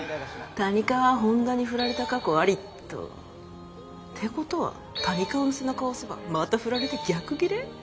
谷川本田にフラれた過去ありと。ってことは谷川の背中を押せばまたフラれて逆ギレ。